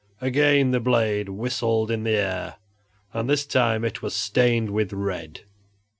Again the blade whistled in the air, and this time it was stained with red.